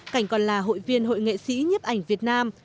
cảnh còn là hội viên hội nghệ sĩ nhiếp ảnh việt nam